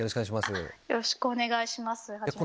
よろしくお願いします。